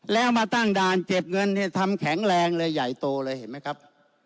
แล้วมาตั้งด่านเก็บเงินเนี่ยทำแข็งแรงเลยใหญ่โตเลยเห็นไหมครับ